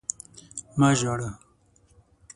مه ژاړه!